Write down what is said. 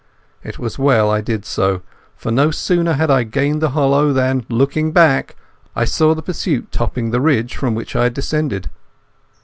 It was well I did so, for no sooner had I gained the hollow than, looking back, I saw the pursuit topping the ridge from which I had descended.